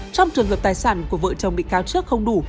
trong trường hợp tài sản của vợ chồng bị cáo trước không đủ